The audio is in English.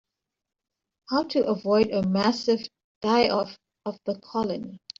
How to avoid a massive die-off of the colony.